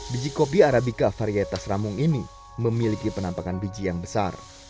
biji kopi arabica varietas ramung ini memiliki penampakan biji yang besar